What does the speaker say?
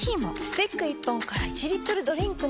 スティック１本から１リットルドリンクに！